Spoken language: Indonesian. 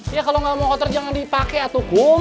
iya kalau gak mau kotor jangan dipakai ya kum